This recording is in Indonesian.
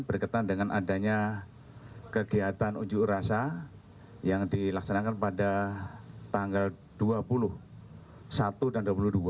berkaitan dengan adanya kegiatan unjuk rasa yang dilaksanakan pada tanggal dua puluh satu dan dua puluh dua